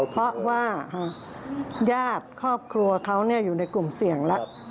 เพราะว่าญาติครอบครัวเขาอยู่ในกลุ่มเสี่ยงแล้ว